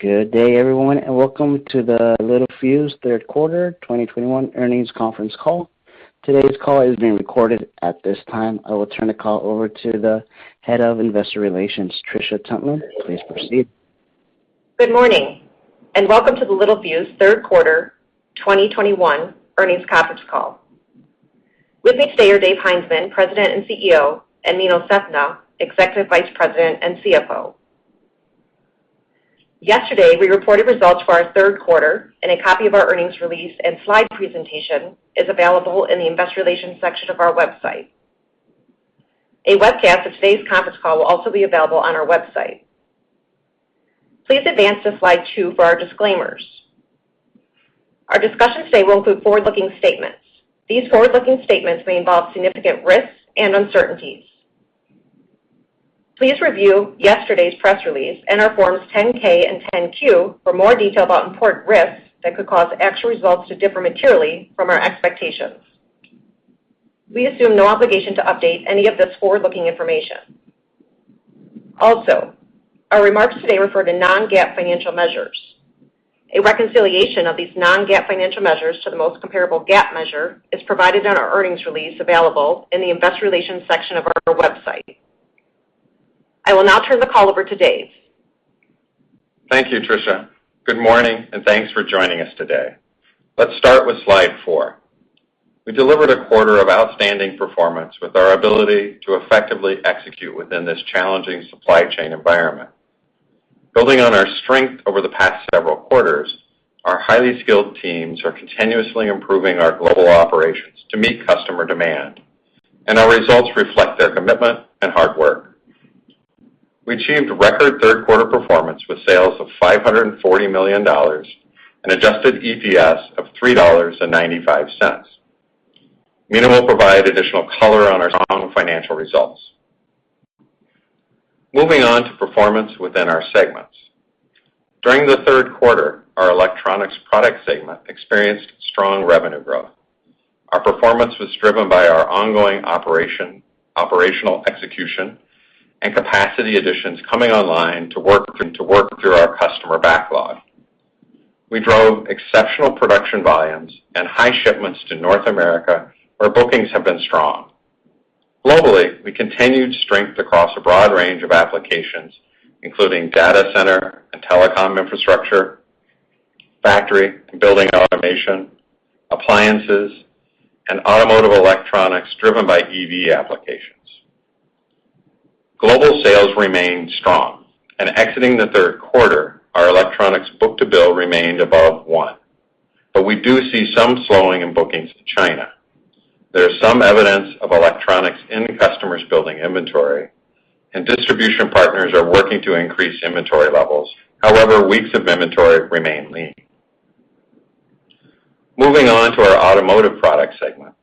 Good day, everyone, and welcome to the Littelfuse Third Quarter 2021 Earnings Conference Call. Today's call is being recorded. At this time, I will turn the call over to the Head of Investor Relations, Trisha Tuntland. Please proceed. Good morning, and welcome to the Littelfuse Third Quarter 2021 Earnings Conference Call. With me today are Dave Heinzmann, President and CEO, and Meenal Sethna, Executive Vice President and CFO. Yesterday, we reported results for our third quarter, and a copy of our earnings release and slide presentation is available in the investor relations section of our website. A webcast of today's conference call will also be available on our website. Please advance to slide two for our disclaimers. Our discussion today will include forward-looking statements. These forward-looking statements may involve significant risks and uncertainties. Please review yesterday's press release and our Form 10-K and Form 10-Q for more detail about important risks that could cause actual results to differ materially from our expectations. We assume no obligation to update any of this forward-looking information. Also, our remarks today refer to non-GAAP financial measures. A reconciliation of these non-GAAP financial measures to the most comparable GAAP measure is provided in our earnings release available in the investor relations section of our website. I will now turn the call over to Dave. Thank you, Trisha. Good morning, and thanks for joining us today. Let's start with slide four. We delivered a quarter of outstanding performance with our ability to effectively execute within this challenging supply chain environment. Building on our strength over the past several quarters, our highly skilled teams are continuously improving our global operations to meet customer demand, and our results reflect their commitment and hard work. We achieved record third quarter performance with sales of $540 million, an adjusted EPS of $3.95. Meenal will provide additional color on our strong financial results. Moving on to performance within our segments. During the third quarter, our electronics product segment experienced strong revenue growth. Our performance was driven by our ongoing operational execution, and capacity additions coming online to work through our customer backlog. We drove exceptional production volumes and high shipments to North America, where bookings have been strong. Globally, we continued strength across a broad range of applications, including data center and telecom infrastructure, factory and building automation, appliances, and automotive electronics driven by EV applications. Global sales remained strong, and exiting the third quarter, our electronics book-to-bill remained above one, but we do see some slowing in bookings to China. There is some evidence of customers building inventory and distribution partners are working to increase inventory levels. However, weeks of inventory remain lean. Moving on to our automotive product segment.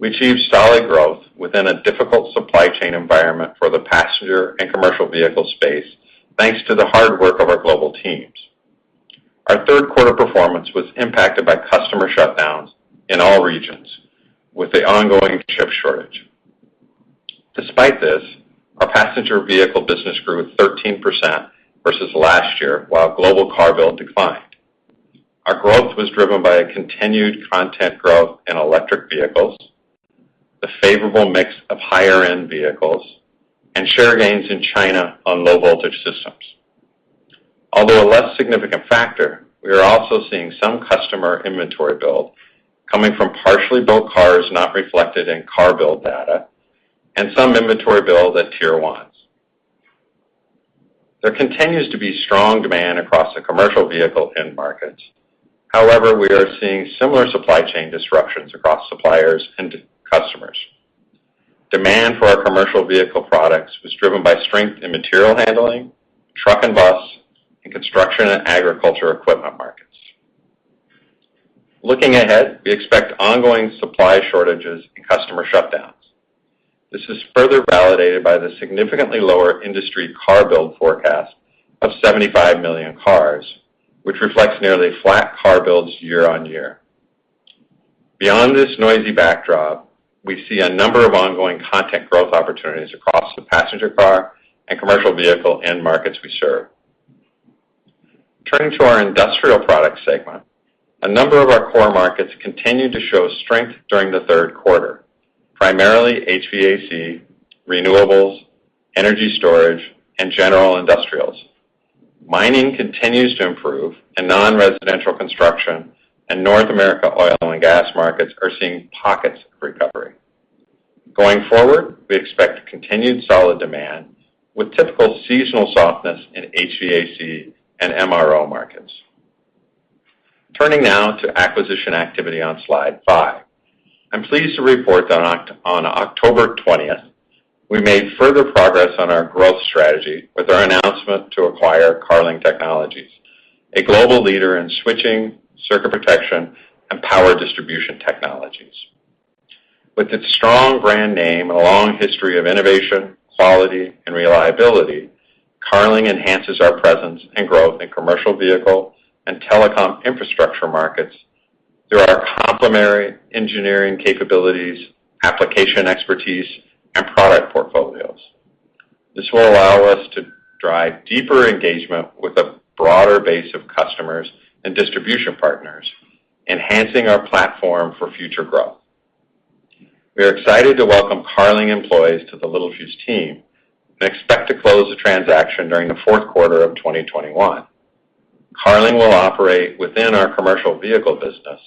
We achieved solid growth within a difficult supply chain environment for the passenger and commercial vehicle space thanks to the hard work of our global teams. Our third quarter performance was impacted by customer shutdowns in all regions with the ongoing chip shortage. Despite this, our passenger vehicle business grew 13% versus last year, while global car build declined. Our growth was driven by a continued content growth in electric vehicles, the favorable mix of higher-end vehicles, and share gains in China on low voltage systems. Although a less significant factor, we are also seeing some customer inventory build coming from partially built cars not reflected in car build data and some inventory build at Tier 1. There continues to be strong demand across the commercial vehicle end markets. However, we are seeing similar supply chain disruptions across suppliers and customers. Demand for our commercial vehicle products was driven by strength in material handling, truck and bus, and construction and agriculture equipment markets. Looking ahead, we expect ongoing supply shortages and customer shutdowns. This is further validated by the significantly lower industry car build forecast of 75 million cars, which reflects nearly flat car builds year-on-year. Beyond this noisy backdrop, we see a number of ongoing content growth opportunities across the passenger car and commercial vehicle end markets we serve. Turning to our industrial product segment. A number of our core markets continued to show strength during the third quarter, primarily HVAC, renewables, energy storage, and general industrials. Mining continues to improve, and non-residential construction and North America oil and gas markets are seeing pockets of recovery. Going forward, we expect continued solid demand with typical seasonal softness in HVAC and MRO markets. Turning now to acquisition activity on slide five. I'm pleased to report that on October 20, we made further progress on our growth strategy with our announcement to acquire Carling Technologies, a global leader in switching, circuit protection, and power distribution technologies. With its strong brand name and a long history of innovation, quality, and reliability, Carling enhances our presence and growth in commercial vehicle and telecom infrastructure markets through our complementary engineering capabilities, application expertise, portfolios. This will allow us to drive deeper engagement with a broader base of customers and distribution partners, enhancing our platform for future growth. We are excited to welcome Carling employees to the Littelfuse team and expect to close the transaction during the fourth quarter of 2021. Carling will operate within our commercial vehicle business,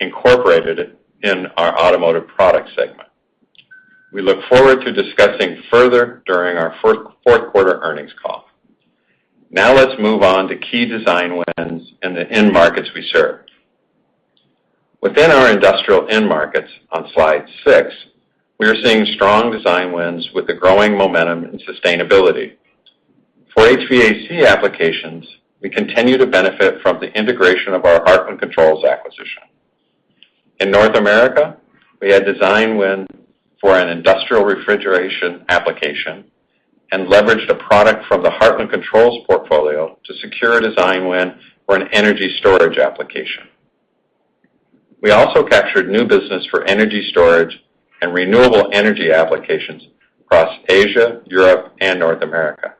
incorporated in our automotive product segment. We look forward to discussing further during our fourth quarter earnings call. Now let's move on to key design wins in the end markets we serve. Within our industrial end markets, on slide six, we are seeing strong design wins with the growing momentum and sustainability. For HVAC applications, we continue to benefit from the integration of our Hartland Controls acquisition. In North America, we had design win for an industrial refrigeration application and leveraged a product from the Hartland Controls portfolio to secure a design win for an energy storage application. We also captured new business for energy storage and renewable energy applications across Asia, Europe, and North America.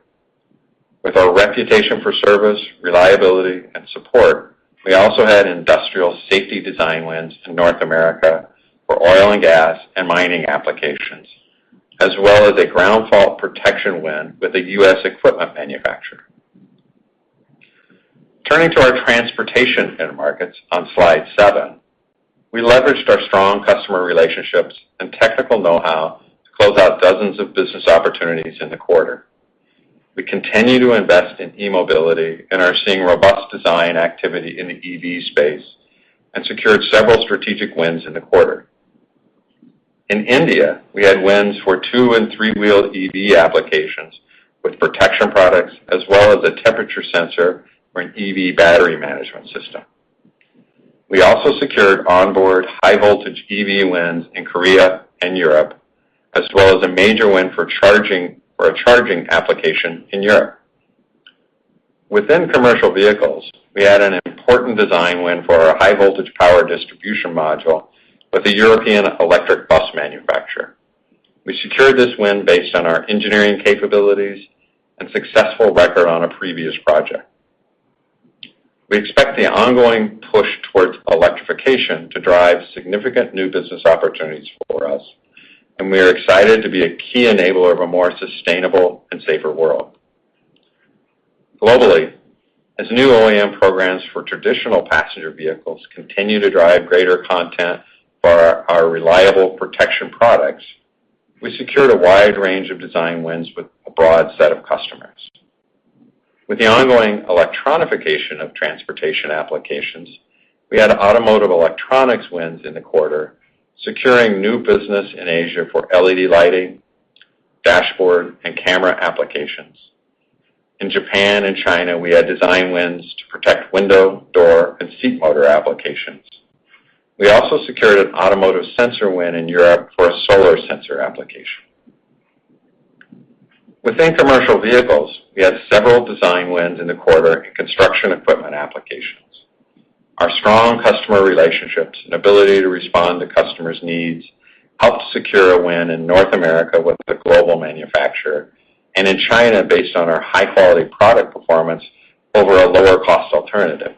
With our reputation for service, reliability, and support, we also had industrial safety design wins in North America for oil and gas and mining applications, as well as a ground fault protection win with a U.S. equipment manufacturer. Turning to our transportation end markets on slide seven. We leveraged our strong customer relationships and technical know-how to close out dozens of business opportunities in the quarter. We continue to invest in e-mobility and are seeing robust design activity in the EV space and secured several strategic wins in the quarter. In India, we had wins for two and three-wheeled EV applications with protection products as well as a temperature sensor for an EV battery management system. We also secured onboard high voltage EV wins in Korea and Europe, as well as a major win for a charging application in Europe. Within commercial vehicles, we had an important design win for our high voltage power distribution module with a European electric bus manufacturer. We secured this win based on our engineering capabilities and successful record on a previous project. We expect the ongoing push towards electrification to drive significant new business opportunities for us, and we are excited to be a key enabler of a more sustainable and safer world. Globally, as new OEM programs for traditional passenger vehicles continue to drive greater content for our reliable protection products, we secured a wide range of design wins with a broad set of customers. With the ongoing electrification of transportation applications, we had automotive electronics wins in the quarter, securing new business in Asia for LED lighting, dashboard, and camera applications. In Japan and China, we had design wins to protect window, door, and seat motor applications. We also secured an automotive sensor win in Europe for a solar sensor application. Within commercial vehicles, we had several design wins in the quarter in construction equipment applications. Our strong customer relationships and ability to respond to customers' needs helped secure a win in North America with a global manufacturer and in China based on our high-quality product performance over a lower cost alternative.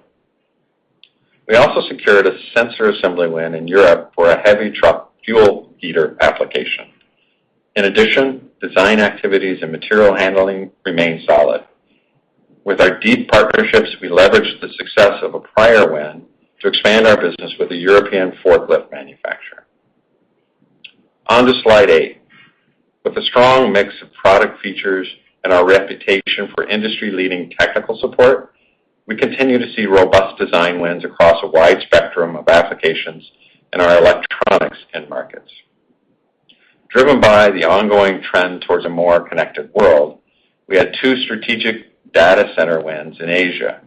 We also secured a sensor assembly win in Europe for a heavy truck fuel heater application. In addition, design activities and material handling remain solid. With our deep partnerships, we leveraged the success of a prior win to expand our business with a European forklift manufacturer. On to slide eight. With a strong mix of product features and our reputation for industry-leading technical support, we continue to see robust design wins across a wide spectrum of applications in our electronics end markets. Driven by the ongoing trend towards a more connected world, we had two strategic data center wins in Asia,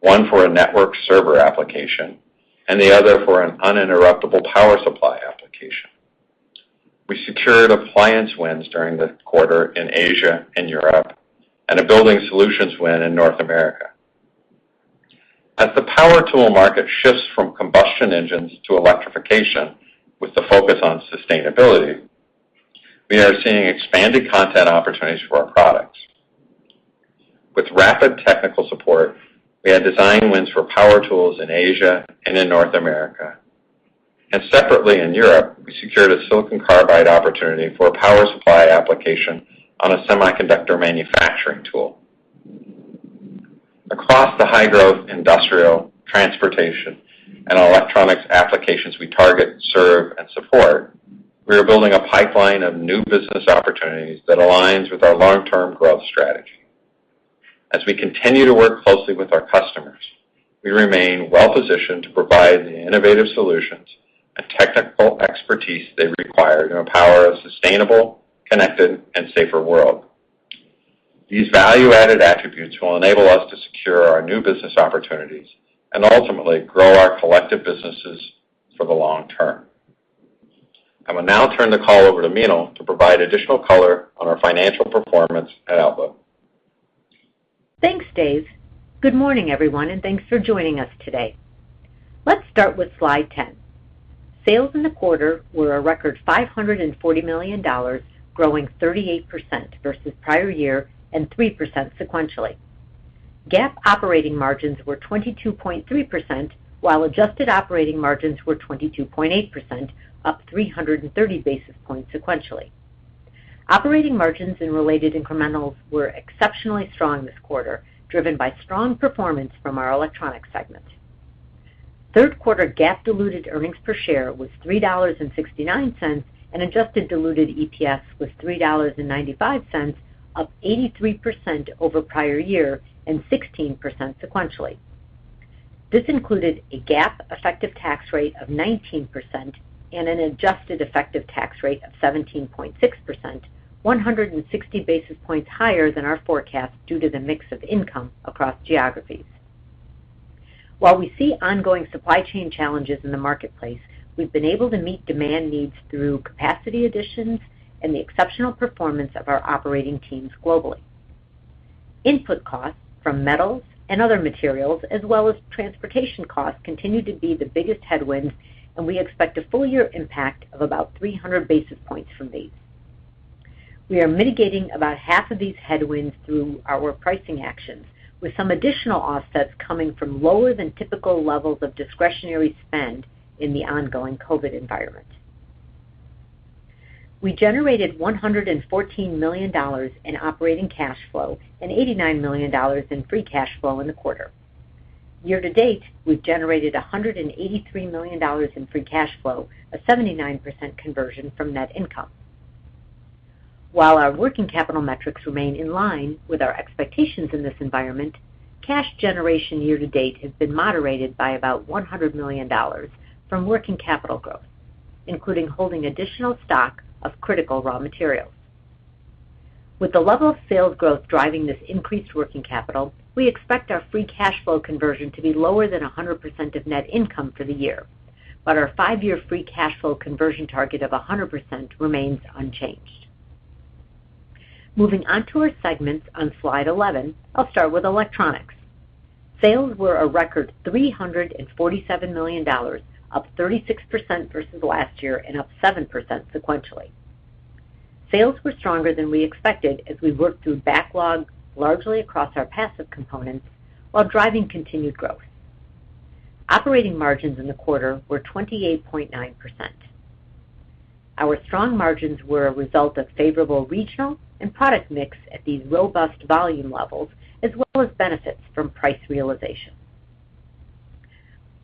one for a network server application and the other for an uninterruptible power supply application. We secured appliance wins during the quarter in Asia and Europe, and a building solutions win in North America. As the power tool market shifts from combustion engines to electrification with the focus on sustainability, we are seeing expanded content opportunities for our products. With rapid technical support, we had design wins for power tools in Asia and in North America. Separately in Europe, we secured a silicon carbide opportunity for a power supply application on a semiconductor manufacturing tool. Across the high-growth industrial, transportation, and electronics applications we target, serve, and support, we are building a pipeline of new business opportunities that aligns with our long-term growth strategy. As we continue to work closely with our customers, we remain well-positioned to provide the innovative solutions and technical expertise they require to empower a sustainable, connected, and safer world. These value-added attributes will enable us to secure our new business opportunities and ultimately grow our collective businesses for the long term. I will now turn the call over to Meenal to provide additional color on our financial performance and outlook. Thanks, Dave. Good morning, everyone, and thanks for joining us today. Let's start with slide 10. Sales in the quarter were a record $540 million, growing 38% versus prior year and 3% sequentially. GAAP operating margins were 22.3%, while adjusted operating margins were 22.8%, up 330 basis points sequentially. Operating margins and related incrementals were exceptionally strong this quarter, driven by strong performance from our electronic segment. Third quarter GAAP diluted earnings per share was $3.69, and adjusted diluted EPS was $3.95, up 83% over prior year and 16% sequentially. This included a GAAP effective tax rate of 19% and an adjusted effective tax rate of 17.6%, 160 basis points higher than our forecast due to the mix of income across geographies. While we see ongoing supply chain challenges in the marketplace, we've been able to meet demand needs through capacity additions and the exceptional performance of our operating teams globally. Input costs from metals and other materials, as well as transportation costs, continue to be the biggest headwind, and we expect a full year impact of about 300 basis points from these. We are mitigating about half of these headwinds through our pricing actions, with some additional offsets coming from lower than typical levels of discretionary spend in the ongoing COVID environment. We generated $114 million in operating cash flow and $89 million in free cash flow in the quarter. Year to date, we've generated $183 million in free cash flow, a 79% conversion from net income. While our working capital metrics remain in line with our expectations in this environment, cash generation year to date has been moderated by about $100 million from working capital growth, including holding additional stock of critical raw materials. With the level of sales growth driving this increased working capital, we expect our free cash flow conversion to be lower than 100% of net income for the year. Our five-year free cash flow conversion target of 100% remains unchanged. Moving on to our segments on slide 11, I'll start with electronics. Sales were a record $347 million, up 36% versus last year and up 7% sequentially. Sales were stronger than we expected as we worked through backlogs largely across our passive components while driving continued growth. Operating margins in the quarter were 28.9%. Our strong margins were a result of favorable regional and product mix at these robust volume levels as well as benefits from price realization.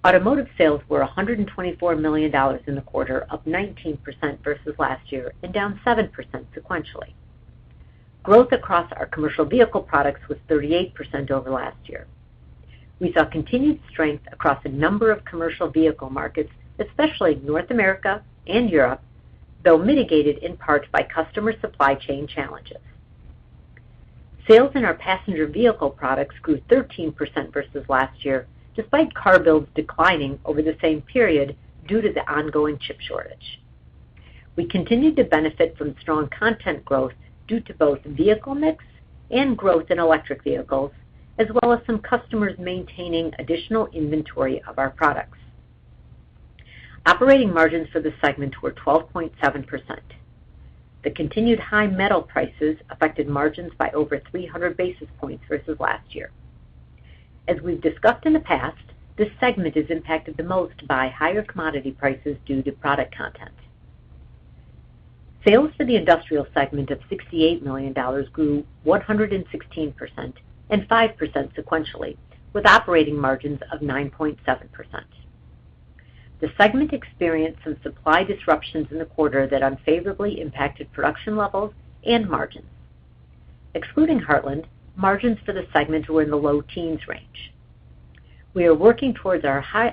Automotive sales were $124 million in the quarter, up 19% versus last year and down 7% sequentially. Growth across our commercial vehicle products was 38% over last year. We saw continued strength across a number of commercial vehicle markets, especially North America and Europe, though mitigated in part by customer supply chain challenges. Sales in our passenger vehicle products grew 13% versus last year, despite car builds declining over the same period due to the ongoing chip shortage. We continued to benefit from strong content growth due to both vehicle mix and growth in electric vehicles, as well as some customers maintaining additional inventory of our products. Operating margins for the segment were 12.7%. The continued high metal prices affected margins by over 300 basis points versus last year. As we've discussed in the past, this segment is impacted the most by higher commodity prices due to product content. Sales for the industrial segment of $68 million grew 116% and 5% sequentially, with operating margins of 9.7%. The segment experienced some supply disruptions in the quarter that unfavorably impacted production levels and margins. Excluding Hartland, margins for the segment were in the low teens range. We are working towards our high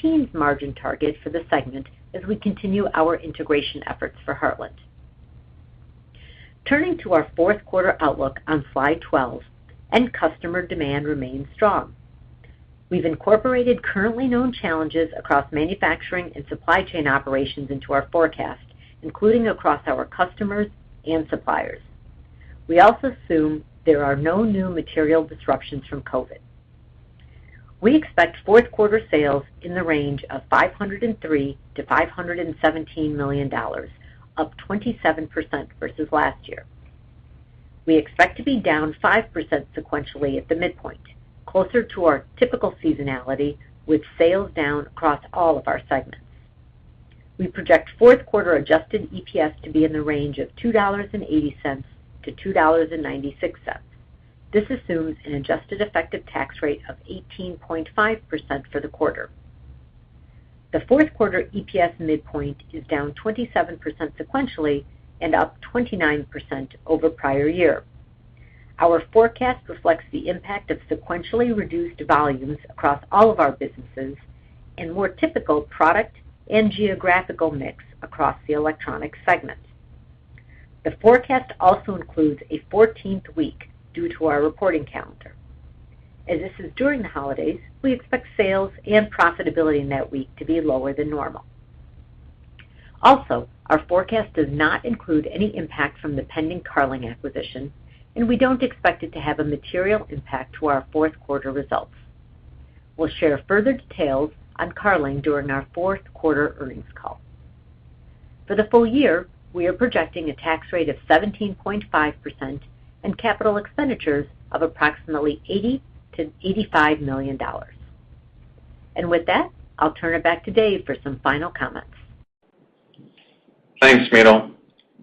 teens margin target for the segment as we continue our integration efforts for Hartland. Turning to our fourth quarter outlook on slide 12, end customer demand remains strong. We've incorporated currently known challenges across manufacturing and supply chain operations into our forecast, including across our customers and suppliers. We also assume there are no new material disruptions from COVID. We expect fourth quarter sales in the range of $503 million-$517 million, up 27% versus last year. We expect to be down 5% sequentially at the midpoint, closer to our typical seasonality with sales down across all of our segments. We project fourth quarter adjusted EPS to be in the range of $2.80-$2.96. This assumes an adjusted effective tax rate of 18.5% for the quarter. The fourth quarter EPS midpoint is down 27% sequentially and up 29% over prior year. Our forecast reflects the impact of sequentially reduced volumes across all of our businesses and more typical product and geographical mix across the electronics segment. The forecast also includes a 14th week due to our reporting calendar. As this is during the holidays, we expect sales and profitability in that week to be lower than normal. Also, our forecast does not include any impact from the pending Carling acquisition, and we don't expect it to have a material impact to our fourth quarter results. We'll share further details on Carling during our fourth quarter earnings call. For the full year, we are projecting a tax rate of 17.5% and capital expenditures of approximately $80 million-$85 million. With that, I'll turn it back to Dave for some final comments. Thanks, Meenal.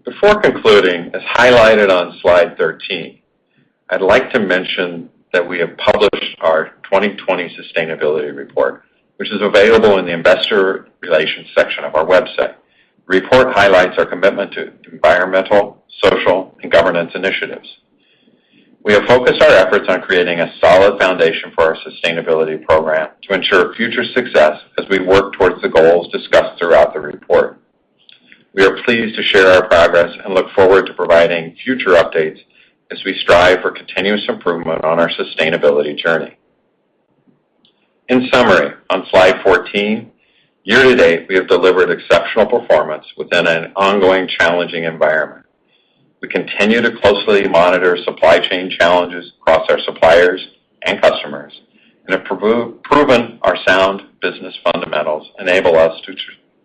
Before concluding, as highlighted on slide 13, I'd like to mention that we have published our 2020 sustainability report, which is available in the investor relations section of our website. The report highlights our commitment to environmental, social, and governance initiatives. We have focused our efforts on creating a solid foundation for our sustainability program to ensure future success as we work towards the goals discussed throughout the report. We are pleased to share our progress and look forward to providing future updates as we strive for continuous improvement on our sustainability journey. In summary, on slide 14, year-to-date, we have delivered exceptional performance within an ongoing challenging environment. We continue to closely monitor supply chain challenges across our suppliers and customers and have proven our sound business fundamentals enable us to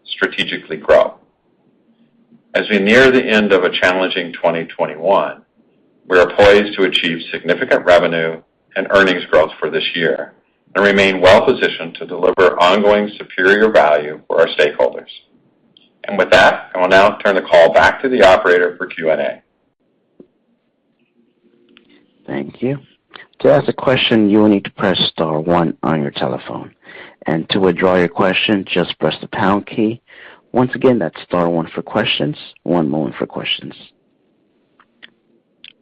strategically grow. As we near the end of a challenging 2021, we are poised to achieve significant revenue and earnings growth for this year and remain well positioned to deliver ongoing superior value for our stakeholders. With that, I will now turn the call back to the operator for Q&A. Thank you. To ask a question, you will need to press star one on your telephone. To withdraw your question, just press the pound key. Once again, that's star one for questions. One moment for questions.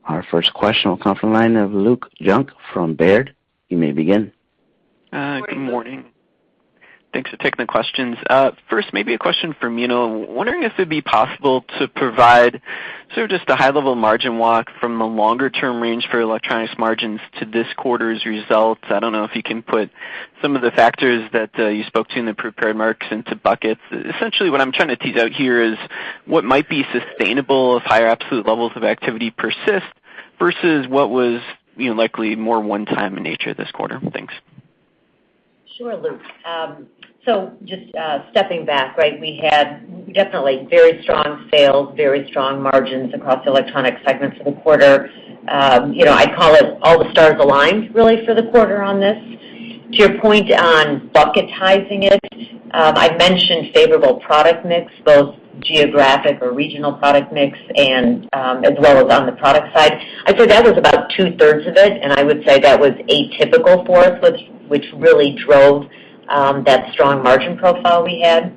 Our first question will come from the line of Luke Junk from Baird. You may begin. Good morning. Thanks for taking the questions. First, maybe a question for Meenal. Wondering if it'd be possible to provide sort of just a high-level margin walk from the longer-term range for electronics margins to this quarter's results. I don't know if you can put some of the factors that you spoke to in the prepared remarks into buckets. Essentially, what I'm trying to tease out here is what might be sustainable if higher absolute levels of activity persist versus what was, you know, likely more one-time in nature this quarter. Thanks. Sure, Luke. Just stepping back, right, we had definitely very strong sales, very strong margins across the electronic segments for the quarter. You know, I call it all the stars aligned really for the quarter on this. To your point on bucketizing it, I mentioned favorable product mix, both geographic or regional product mix and, as well as on the product side. I'd say that was about two-thirds of it, and I would say that was atypical for us, which really drove that strong margin profile we had.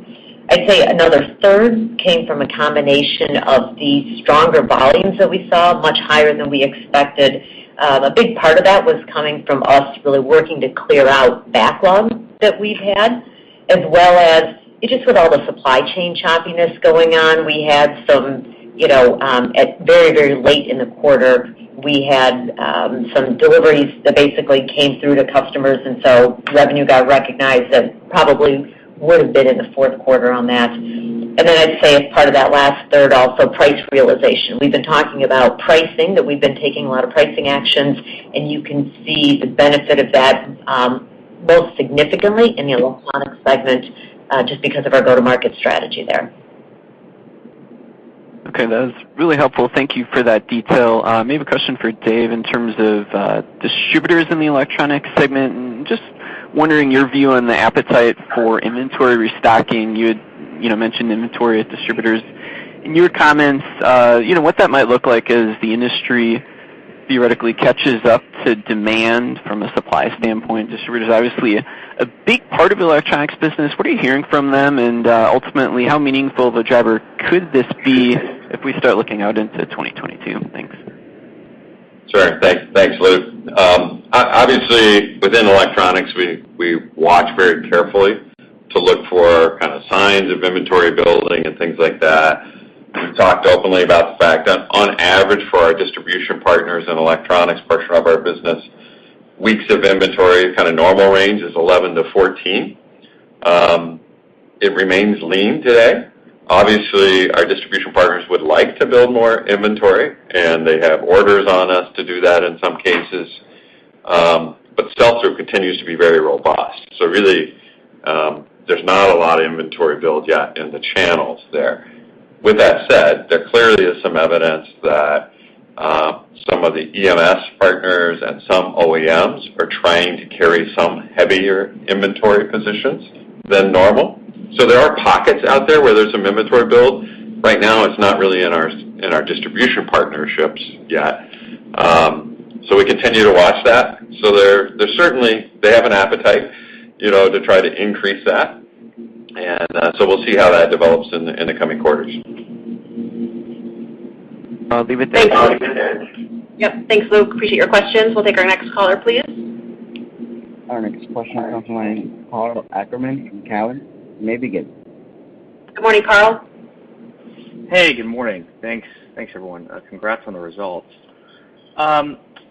I'd say another third came from a combination of the stronger volumes that we saw, much higher than we expected. A big part of that was coming from us really working to clear out backlog that we've had, as well as just with all the supply chain choppiness going on, we had some, you know, at very, very late in the quarter, we had some deliveries that basically came through to customers, and so revenue got recognized that probably would have been in the fourth quarter on that. I'd say as part of that last third also price realization. We've been talking about pricing, that we've been taking a lot of pricing actions, and you can see the benefit of that, most significantly in the Electronics segment, just because of our go-to-market strategy there. Okay. That is really helpful. Thank you for that detail. Maybe a question for Dave in terms of distributors in the electronic segment, and just wondering your view on the appetite for inventory restocking. You had, you know, mentioned inventory at distributors. In your comments, you know, what that might look like as the industry theoretically catches up to demand from a supply standpoint. Distributors obviously a big part of electronics business. What are you hearing from them? Ultimately, how meaningful of a driver could this be if we start looking out into 2022? Thanks. Sure. Thanks, Luke. Obviously, within electronics, we watch very carefully to look for kind of signs of inventory building and things like that. We've talked openly about the fact that on average for our distribution partners and electronics portion of our business, weeks of inventory kind of normal range is 11%-14%. It remains lean today. Obviously, our distribution partners would like to build more inventory, and they have orders on us to do that in some cases. Sell-through continues to be very robust. Really, there's not a lot of inventory build yet in the channels there. With that said, there clearly is some evidence that some of the EMS partners and some OEMs are trying to carry some heavier inventory positions than normal. There are pockets out there where there's some inventory build. Right now, it's not really in our distribution partnerships yet. We continue to watch that. They're certainly. They have an appetite, you know, to try to increase that. We'll see how that develops in the coming quarters. I'll leave it there. Yep. Thanks, Luke. Appreciate your questions. We'll take our next caller, please. Our next question comes from the line of Karl Ackerman from Cowen. You may begin. Good morning, Karl. Hey, good morning. Thanks. Thanks everyone. Congrats on the results.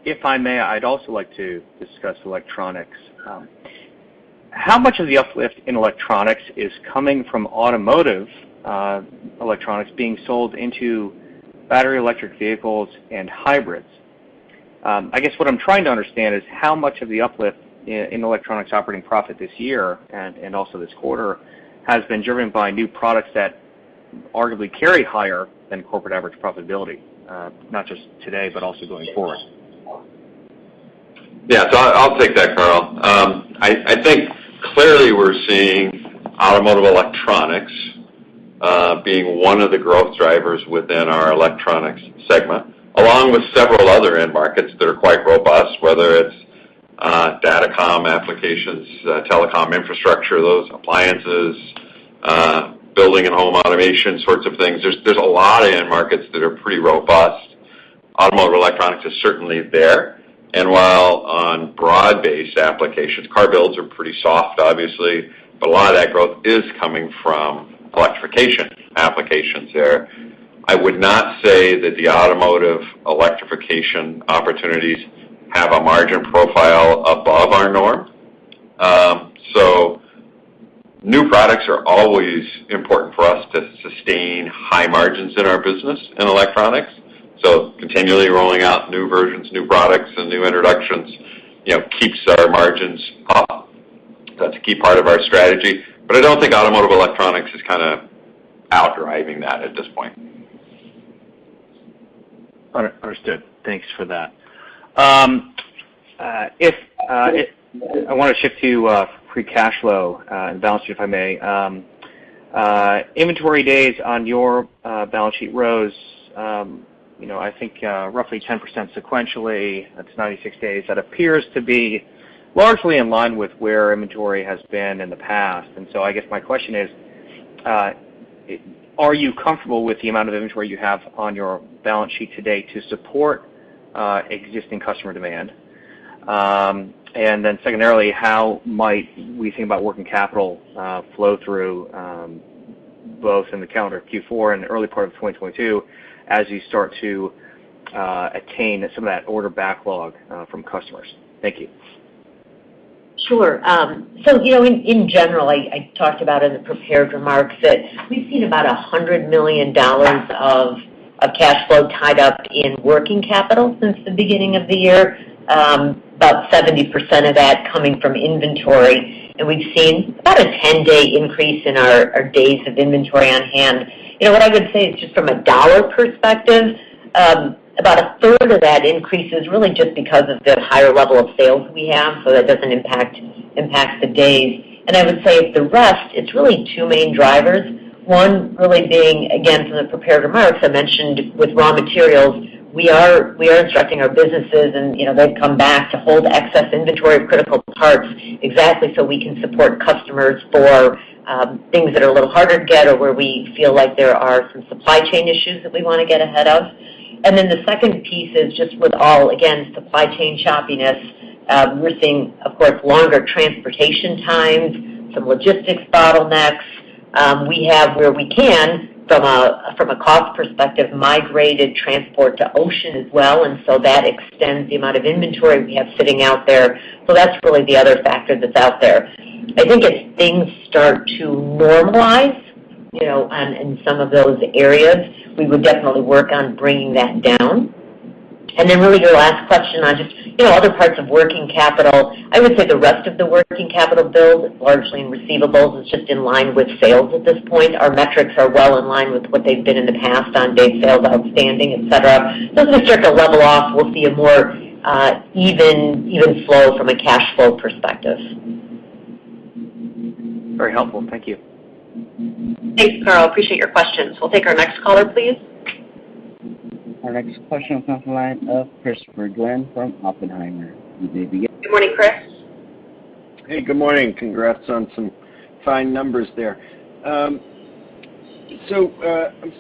If I may, I'd also like to discuss electronics. How much of the uplift in electronics is coming from automotive electronics being sold into battery electric vehicles and hybrids? I guess what I'm trying to understand is how much of the uplift in electronics operating profit this year and also this quarter has been driven by new products that arguably carry higher than corporate average profitability, not just today, but also going forward. Yeah. I'll take that, Karl. I think clearly we're seeing automotive electronics being one of the growth drivers within our Electronics segment, along with several other end markets that are quite robust, whether it's datacom applications, telecom infrastructure, those appliances, building and home automation sorts of things. There's a lot of end markets that are pretty robust. Automotive electronics is certainly there. While on broad-based applications, car builds are pretty soft, obviously, but a lot of that growth is coming from electrification applications there. I would not say that the automotive electrification opportunities have a margin profile above our norm. New products are always important for us to sustain high margins in our business in Electronics. Continually rolling out new versions, new products, and new introductions, you know, keeps our margins up. That's a key part of our strategy, but I don't think automotive electronics is kinda outdriving that at this point. All right. Understood. Thanks for that. If I wanna shift to free cash flow and balance sheet, if I may. Inventory days on your balance sheet rose, you know, I think, roughly 10% sequentially that's 96 days. That appears to be largely in line with where inventory has been in the past. I guess my question is, are you comfortable with the amount of inventory you have on your balance sheet today to support existing customer demand? And then secondarily, how might we think about working capital flow through, both in the calendar of Q4 and the early part of 2022 as you start to attain some of that order backlog from customers? Thank you. Sure. So, you know, in general, I talked about in the prepared remarks that we've seen about $100 million of cash flow tied up in working capital since the beginning of the year, about 70% of that coming from inventory. We've seen about a 10-day increase in our days of inventory on hand. You know, what I would say is just from a dollar perspective, about a third of that increase is really just because of the higher level of sales we have, so that doesn't impact the days. I would say the rest, it's really two main drivers. One really being, again, from the prepared remarks I mentioned with raw materials, we are instructing our businesses and, you know, they've come back to hold excess inventory of critical parts exactly so we can support customers for things that are a little harder to get or where we feel like there are some supply chain issues that we wanna get ahead of. The second piece is just with all, again, supply chain choppiness. We're seeing, of course, longer transportation times, some logistics bottlenecks. We have where we can from a cost perspective migrated transport to ocean as well, and so that extends the amount of inventory we have sitting out there. That's really the other factor that's out there. I think as things start to normalize, you know, in some of those areas, we would definitely work on bringing that down. Then really your last question on just, you know, other parts of working capital. I would say the rest of the working capital build is largely in receivables. It's just in line with sales at this point. Our metrics are well in line with what they've been in the past on day sales outstanding, et cetera. As we start to level off, we'll see a more even flow from a cash flow perspective. Very helpful. Thank you. Thanks, Karl. Appreciate your questions. We'll take our next caller, please. Our next question comes from the line of Christopher Glynn from Oppenheimer. You may begin. Good morning, Chris. Hey, good morning. Congrats on some fine numbers there. I'm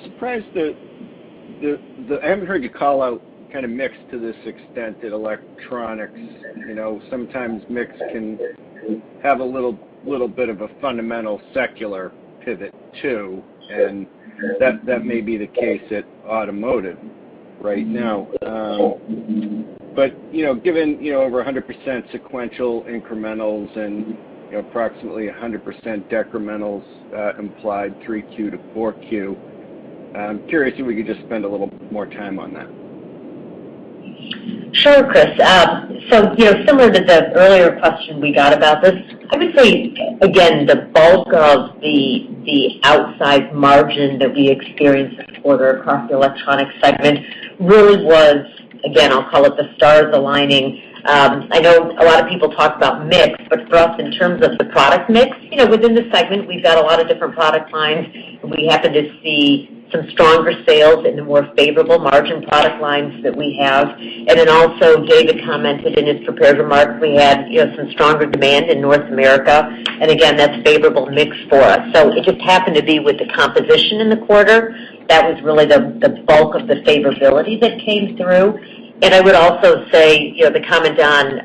surprised that I haven't heard you call out kind of mix to this extent at electronics. You know, sometimes mix can have a little bit of a fundamental secular pivot too, and that may be the case at automotive right now. You know, given you know over 100% sequential incrementals and you know approximately 100% decrementals implied 3Q to 4Q, I'm curious if we could just spend a little more time on that. Sure, Chris. So, you know, similar to the earlier question we got about this, I would say again, the bulk of the outsized margin that we experienced this quarter across the Electronics segment really was, again, I'll call it the stars aligning. I know a lot of people talk about mix, but for us, in terms of the product mix, you know, within the segment, we've got a lot of different product lines, and we happen to see some stronger sales in the more favorable margin product lines that we have. And then also, David commented in his prepared remarks, we had, you know, some stronger demand in North America, and again, that's favorable mix for us. It just happened to be with the composition in the quarter. That was really the bulk of the favorability that came through. I would also say, you know, the comment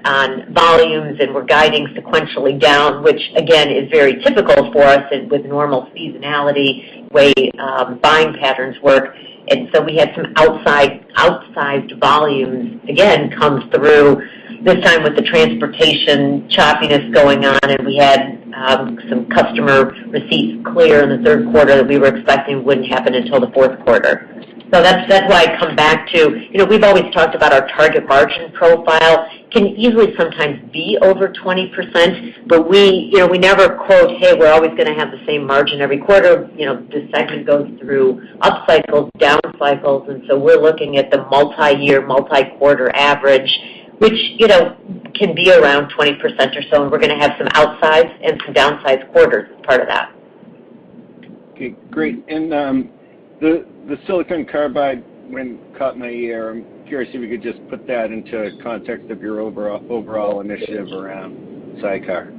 on volumes and we're guiding sequentially down, which again, is very typical for us with normal seasonality the way buying patterns work. We had some outsized volumes again come through this time with the transportation choppiness going on, and we had some customer receipts clear in the third quarter that we were expecting wouldn't happen until the fourth quarter. That's why I come back to, you know, we've always talked about our target margin profile can easily sometimes be over 20%, but we, you know, we never quote, "Hey, we're always gonna have the same margin every quarter." You know, the segment goes through up cycles, down cycles, and so we're looking at the multi-year, multi-quarter average, which, you know, can be around 20% or so, and we're gonna have some outsized and some downsized quarters as part of that. Okay, great. The silicon carbide win caught my ear. I'm curious if you could just put that into context of your overall initiative around SiC car.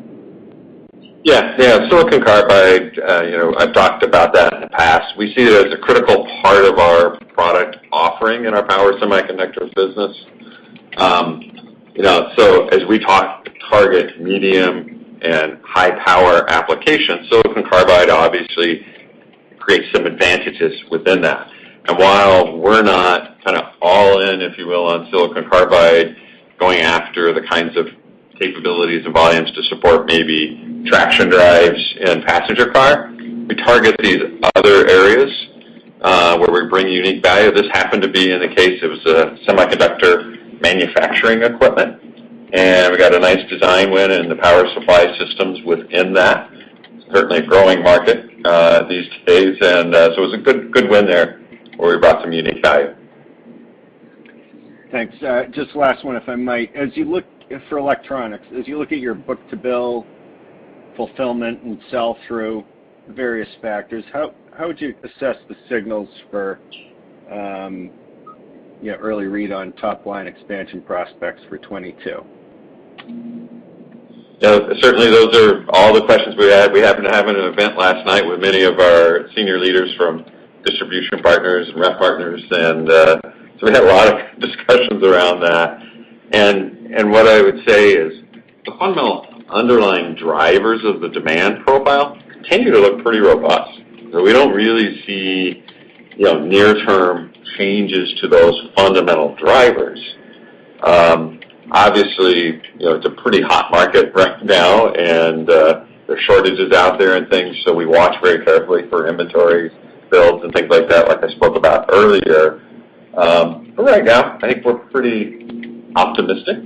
Silicon carbide, you know, I've talked about that in the past. We see it as a critical part of our product offering in our power semiconductor business. As we talk target medium and high power applications, silicon carbide obviously creates some advantages within that. While we're not kind of all in, if you will, on silicon carbide, going after the kinds of capabilities and volumes to support maybe traction drives in passenger car, we target these other areas, where we bring unique value. This happened to be in the case, it was a semiconductor manufacturing equipment, and we got a nice design win in the power supply systems within that. Certainly a growing market, these days. It was a good win there where we brought some unique value. Thanks. Just last one, if I might. As you look at your book-to-bill fulfillment and sell-through various factors, how would you assess the signals for an early read on top-line expansion prospects for 2022? Yeah. Certainly, those are all the questions we had. We happened to have an event last night with many of our senior leaders from distribution partners and rep partners, and so we had a lot of discussions around that. What I would say is the fundamental underlying drivers of the demand profile continue to look pretty robust. We don't really see, you know, near term changes to those fundamental drivers. Obviously, you know, it's a pretty hot market right now, and there are shortages out there and things, so we watch very carefully for inventory builds and things like that, like I spoke about earlier. Right now, I think we're pretty optimistic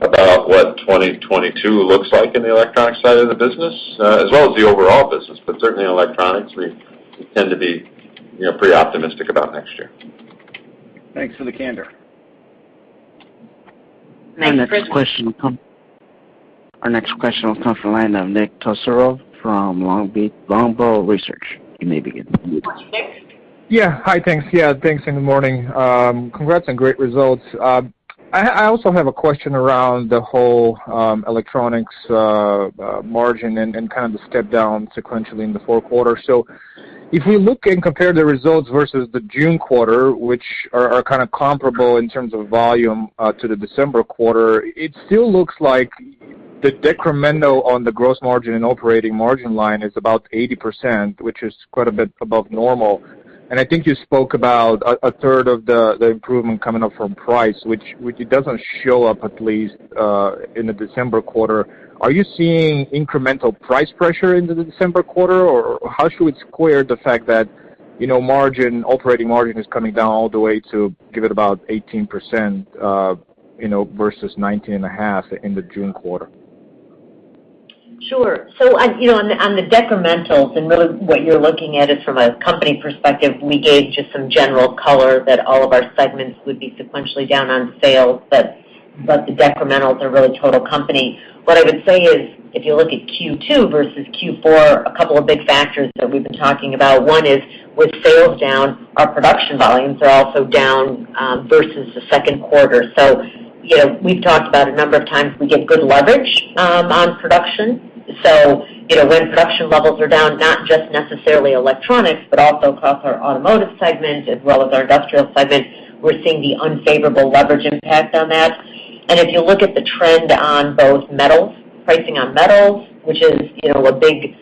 about what 2022 looks like in the electronic side of the business, as well as the overall business. Certainly in electronics, we tend to be, you know, pretty optimistic about next year. Thanks for the candor. Thanks. Our next question will come from the line of Nick Todorov from Longbow Research. You may begin. Nick. Hi. Thanks, and good morning. Congrats on great results. I also have a question around the whole electronics margin and kind of the step down sequentially in the fourth quarter. If we look and compare the results versus the June quarter, which are kind of comparable in terms of volume to the December quarter, it still looks like the decremental on the gross margin and operating margin line is about 80%, which is quite a bit above normal. I think you spoke about a third of the improvement coming up from price, which it doesn't show up at least in the December quarter. Are you seeing incremental price pressure into the December quarter, or how should we square the fact that, you know, margin, operating margin is coming down all the way to give it about 18%, you know, versus 19.5% in the June quarter? Sure. You know, on the decrementals, and really what you're looking at is from a company perspective, we gave just some general color that all of our segments would be sequentially down on sales, but the decrementals are really total company. What I would say is, if you look at Q2 versus Q4, a couple of big factors that we've been talking about. One is with sales down, our production volumes are also down versus the second quarter. You know, we've talked about a number of times we get good leverage on production. You know, when production levels are down, not just necessarily Electronics, but also across our Automotive segment as well as our Industrial segment, we're seeing the unfavorable leverage impact on that. If you look at the trend on both metals, pricing on metals, which is, you know, a big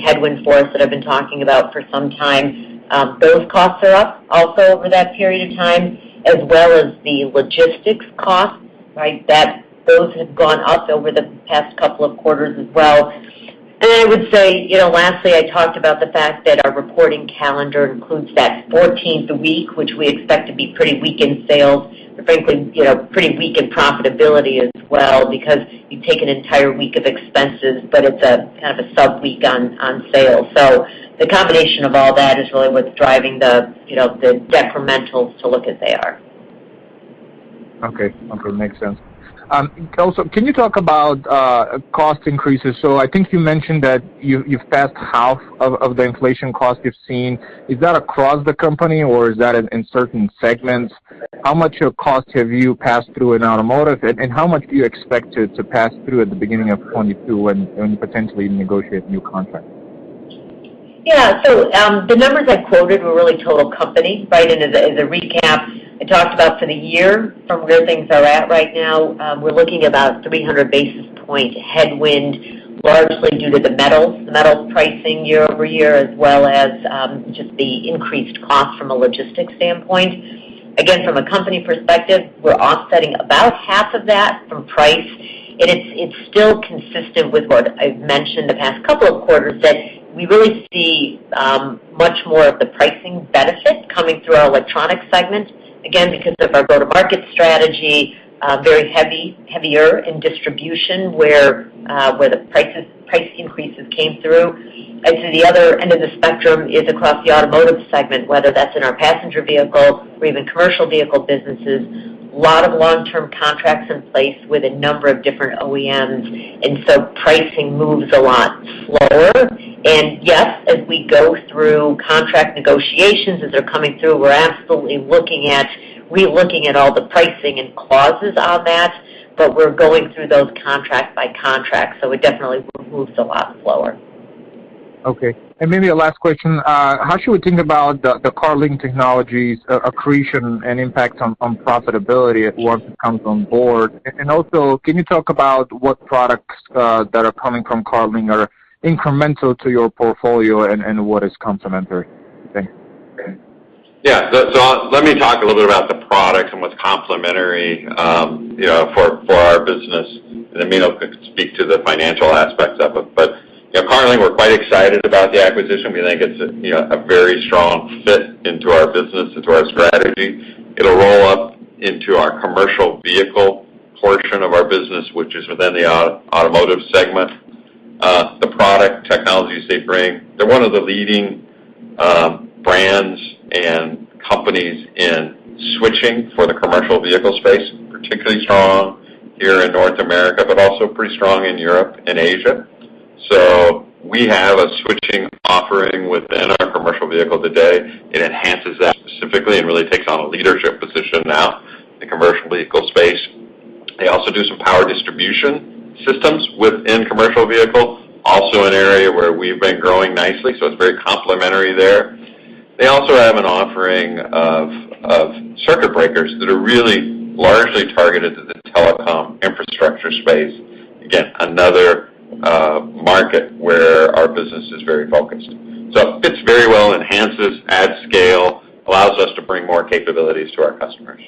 headwind for us that I've been talking about for some time, those costs are up also over that period of time, as well as the logistics costs, right? Those have gone up over the past couple of quarters as well. I would say, you know, lastly, I talked about the fact that our reporting calendar includes that fourteenth week, which we expect to be pretty weak in sales, but frankly, you know, pretty weak in profitability as well because you take an entire week of expenses, but it's a kind of a sub-week on sales. The combination of all that is really what's driving the, you know, the decrementals to look as they are. Okay. Makes sense. Also, can you talk about cost increases? I think you mentioned that you've passed half of the inflation cost you've seen. Is that across the company or is that in certain segments? How much of cost have you passed through in automotive and how much do you expect to pass through at the beginning of 2022 when you potentially negotiate new contracts? Yeah. The numbers I quoted were really total company, right? As a recap, I talked about for the year from where things are at right now, we're looking about 300 basis point headwind, largely due to the metals pricing year-over-year, as well as just the increased cost from a logistics standpoint. Again, from a company perspective, we're offsetting about half of that from price, and it's still consistent with what I've mentioned the past couple of quarters that we really see much more of the pricing benefit coming through our electronic segment, again, because of our go-to-market strategy, heavier in distribution where the price increases came through. I see the other end of the spectrum is across the automotive segment, whether that's in our passenger vehicle or even commercial vehicle businesses, a lot of long-term contracts in place with a number of different OEMs, and so pricing moves a lot slower. Yes, as we go through contract negotiations, as they're coming through, we're absolutely looking at re-looking at all the pricing and clauses on that, but we're going through those contracts contract by contract, so it definitely moves a lot slower. Okay. Maybe a last question. How should we think about the Carling Technologies accretion and impact on profitability once it comes on board? Also, can you talk about what products that are coming from Carling are incremental to your portfolio and what is complementary? Thanks. Yeah. Let me talk a little bit about the product and what's complementary, you know, for our business, and Meenal could speak to the financial aspects of it. You know Carling, we're quite excited about the acquisition. We think it's a you know very strong fit into our business, into our strategy. It'll roll up into our commercial vehicle portion of our business, which is within the automotive segment. The product technologies they bring, they're one of the leading brands and companies in switching for the commercial vehicle space, particularly strong here in North America, but also pretty strong in Europe and Asia. We have a switching offering within our commercial vehicle today. It enhances that specifically and really takes on a leadership position now in commercial vehicle space. They also do some power distribution systems within commercial vehicle, also an area where we've been growing nicely, so it's very complementary there. They also have an offering of circuit breakers that are really largely targeted to the telecom infrastructure space. Again, another market where our business is very focused. It fits very well, enhances, adds scale, allows us to bring more capabilities to our customers.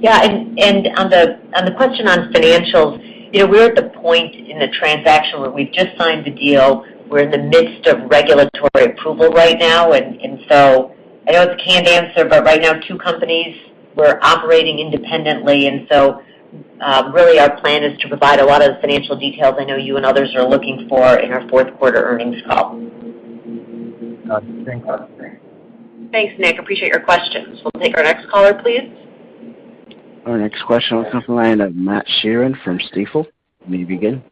Yeah. On the question on financials, you know, we're at the point in the transaction where we've just signed the deal. We're in the midst of regulatory approval right now. I know it's a canned answer, but right now two companies, we're operating independently. Really our plan is to provide a lot of the financial details I know you and others are looking for in our fourth quarter earnings call. Got it. Thanks. Thanks, Nick. I appreciate your questions. We'll take our next caller, please. Our next question comes from the line of Matt Sheerin from Stifel. You may begin.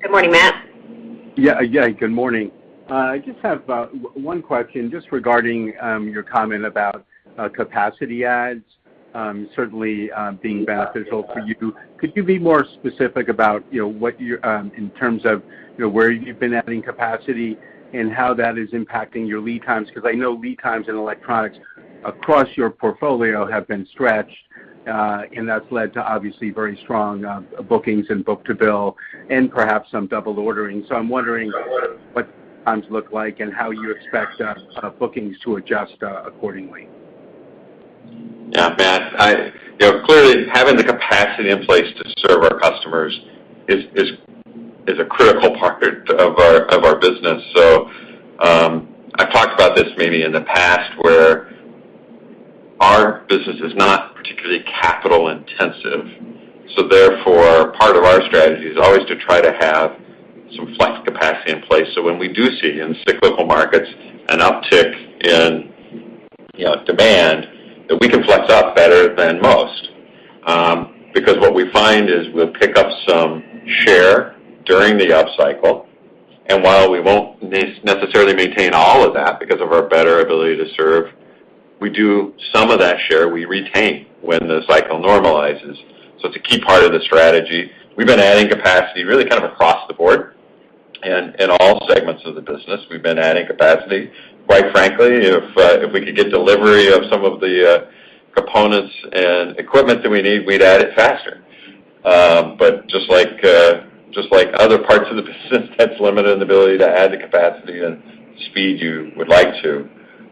Good morning, Matt. Yeah. Yeah, good morning. I just have one question just regarding your comment about capacity adds certainly being beneficial for you. Could you be more specific about, you know, what you're in terms of, you know, where you've been adding capacity and how that is impacting your lead times? Because I know lead times in electronics across your portfolio have been stretched and that's led to obviously very strong bookings and book-to-bill and perhaps some double ordering. I'm wondering what times look like and how you expect bookings to adjust accordingly. Yeah, Matt, you know, clearly, having the capacity in place to serve our customers is a critical part of our business. I've talked about this maybe in the past where our business is not particularly capital intensive. Therefore, part of our strategy is always to try to have some flex capacity in place. When we do see in cyclical markets an uptick in, you know, demand, that we can flex up better than most. Because what we find is we'll pick up some share during the upcycle. While we won't necessarily maintain all of that because of our better ability to serve, we do some of that share we retain when the cycle normalizes. It's a key part of the strategy. We've been adding capacity really kind of across the board. In all segments of the business, we've been adding capacity. Quite frankly, if we could get delivery of some of the components and equipment that we need, we'd add it faster. But just like other parts of the business, that's limited in the ability to add the capacity and speed you would like to.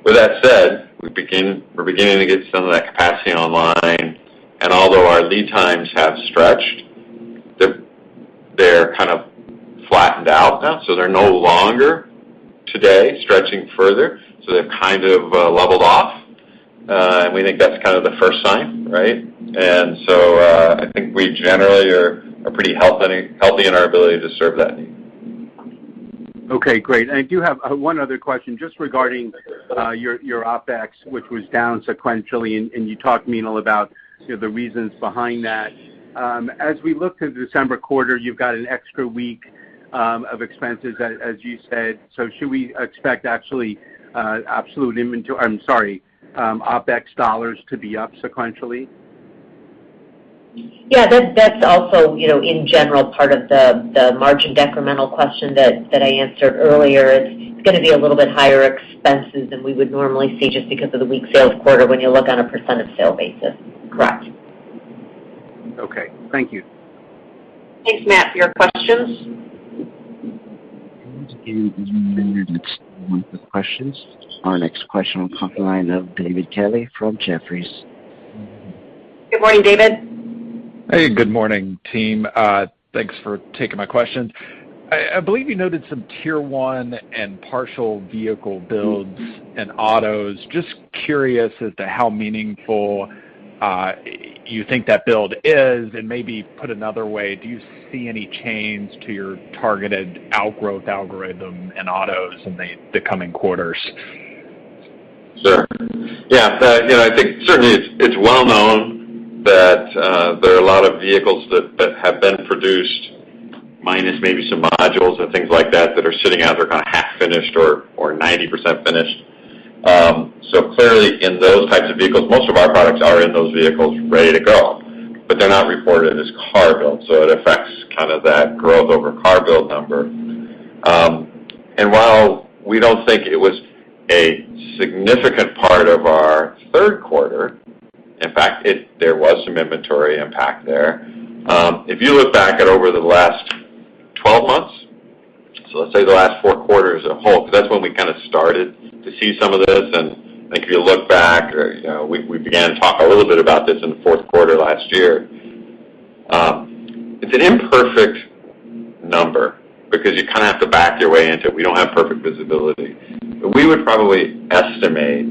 With that said, we're beginning to get some of that capacity online. Although our lead times have stretched, they're kind of flattened out now. They're no longer today stretching further, so they've kind of leveled off. We think that's kind of the first sign, right? I think we generally are pretty healthy in our ability to serve that need. Okay, great. I do have one other question, just regarding your OpEx, which was down sequentially, and you talked, Meenal, about you know the reasons behind that. As we look to the December quarter, you've got an extra week of expenses, as you said. Should we expect actually absolute, I'm sorry, OpEx dollars to be up sequentially? Yeah. That's also, you know, in general, part of the margin decremental question that I answered earlier. It's gonna be a little bit higher expenses than we would normally see just because of the weak sales quarter when you look on a percent of sales basis. Correct. Okay. Thank you. Thanks, Matt, for your questions. Next one for questions. Our next question will come from the line of David Kelley from Jefferies. Good morning, David. Hey, good morning, team. Thanks for taking my question. I believe you noted some Tier 1 and partial vehicle builds in autos. Just curious as to how meaningful you think that build is, and maybe put another way, do you see any change to your targeted outgrowth algorithm in autos in the coming quarters? Sure. Yeah. You know, I think certainly it's well known that there are a lot of vehicles that have been produced minus maybe some modules and things like that that are sitting out. They're kind of half-finished or 90% finished. So clearly, in those types of vehicles, most of our products are in those vehicles ready to go, but they're not reported as car build, so it affects kind of that growth over car build number. While we don't think it was a significant part of our third quarter, in fact, there was some inventory impact there. If you look back at over the last 12 months, so let's say the last four quarters as a whole, 'cause that's when we kinda started to see some of this. I think if you look back or, you know, we began to talk a little bit about this in the fourth quarter last year. It's an imperfect number because you kinda have to back your way into it. We don't have perfect visibility. We would probably estimate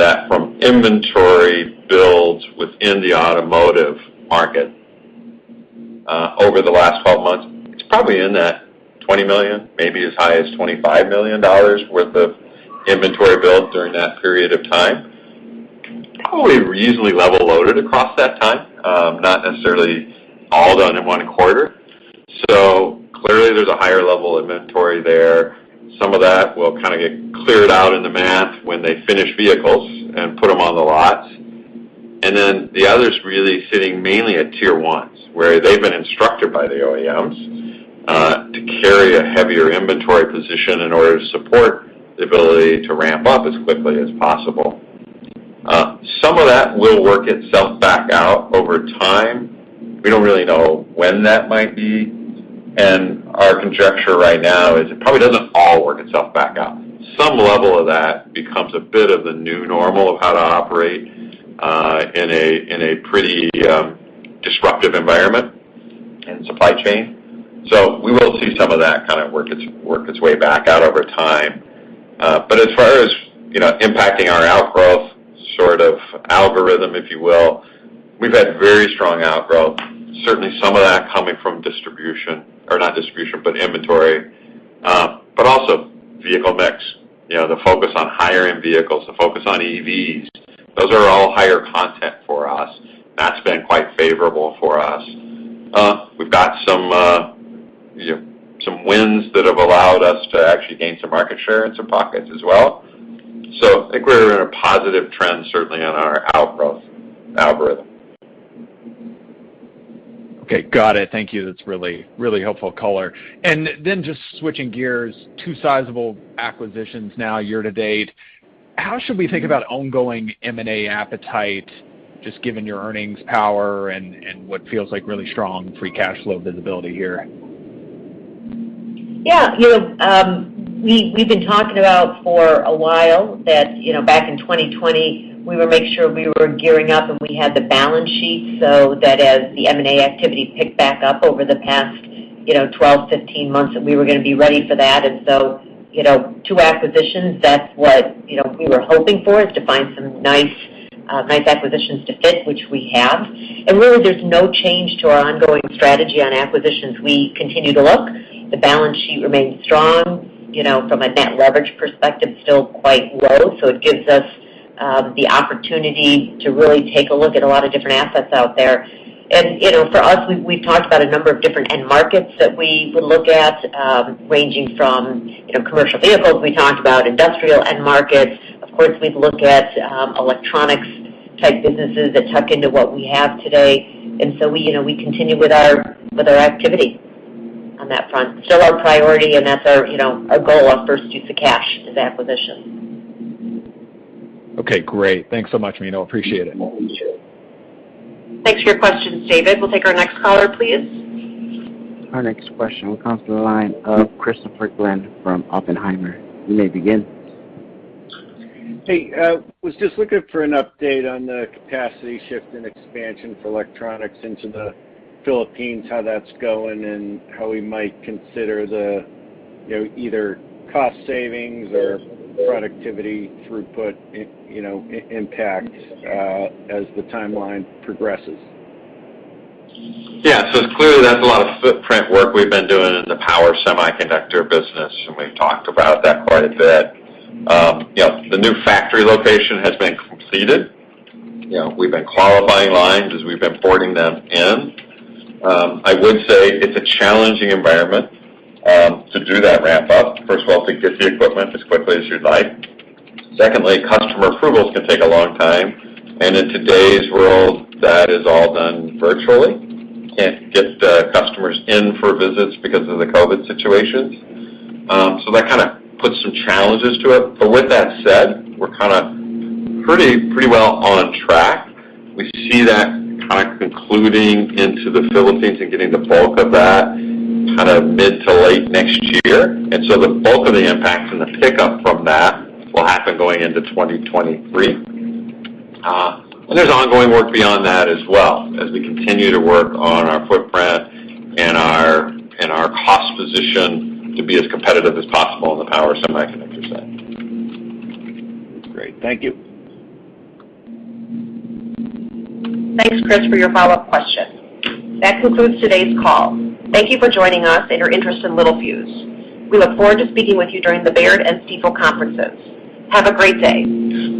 that from inventory builds within the automotive market, over the last 12 months, it's probably in that $20 million, maybe as high as $25 million worth of inventory build during that period of time. Probably reasonably level loaded across that time, not necessarily all done in one quarter. Clearly, there's a higher level inventory there. Some of that will kinda get cleared out in the math when they finish vehicles and put them on the lots. The other's really sitting mainly at Tier 1s, where they've been instructed by the OEMs to carry a heavier inventory position in order to support the ability to ramp up as quickly as possible. Some of that will work itself back out over time. We don't really know when that might be, and our conjecture right now is it probably doesn't all work itself back out. Some level of that becomes a bit of the new normal of how to operate in a pretty disruptive environment and supply chain. We will see some of that kind of work its way back out over time. As far as, you know, impacting our outgrowth sort of algorithm, if you will, we've had very strong outgrowth. Certainly, some of that coming from distribution or not distribution, but inventory. Also vehicle mix. You know, the focus on higher end vehicles, the focus on EVs, those are all higher content for us. That's been quite favorable for us. We've got some, you know, some wins that have allowed us to actually gain some market share in some pockets as well. I think we're in a positive trend, certainly on our outgrowth algorithm. Okay. Got it. Thank you. That's really, really helpful color. Just switching gears, two sizable acquisitions now year to date. How should we think about ongoing M&A appetite, just given your earnings power and what feels like really strong free cash flow visibility here? Yeah. You know, we've been talking about for a while that, you know, back in 2020, we would make sure we were gearing up and we had the balance sheet, so that as the M&A activity picked back up over the past, you know, 12, 15 months, that we were gonna be ready for that. You know, two acquisitions, that's what, you know, we were hoping for, is to find some nice acquisitions to fit, which we have. Really, there's no change to our ongoing strategy on acquisitions. We continue to look. The balance sheet remains strong. You know, from a net leverage perspective, still quite low. It gives us the opportunity to really take a look at a lot of different assets out there. You know, for us, we've talked about a number of different end markets that we would look at, ranging from, you know, commercial vehicles. We talked about industrial end markets. Of course, we'd look at electronics type businesses that tuck into what we have today. You know, we continue with our activity on that front. Still our priority, and that's our, you know, our goal, our first use of cash is acquisitions. Okay, great. Thanks so much, Meenal. Appreciate it. Thanks for your questions, David. We'll take our next caller, please. Our next question will come from the line of Christopher Glynn from Oppenheimer. You may begin. Hey. Was just looking for an update on the capacity shift and expansion for electronics into the Philippines, how that's going, and how we might consider the, you know, either cost savings or productivity throughput, you know, impact, as the timeline progresses. Yeah. Clearly, that's a lot of footprint work we've been doing in the power semiconductor business, and we've talked about that quite a bit. You know, the new factory location has been completed. You know, we've been qualifying lines as we've been porting them in. I would say it's a challenging environment to do that ramp up. First of all, to get the equipment as quickly as you'd like. Secondly, customer approvals can take a long time, and in today's world, that is all done virtually. Can't get the customers in for visits because of the COVID situation. That kinda puts some challenges to it. With that said, we're pretty well on track. We see that kind of concluding into the Philippines and getting the bulk of that kind of mid to late next year. The bulk of the impact and the pickup from that will happen going into 2023. There's ongoing work beyond that as well, as we continue to work on our footprint and our cost position to be as competitive as possible in the power semiconductor set. Great. Thank you. Thanks, Chris, for your follow-up question. That concludes today's call. Thank you for joining us and your interest in Littelfuse. We look forward to speaking with you during the Baird and Stifel conferences. Have a great day.